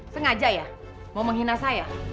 sengaja ya mau menghina saya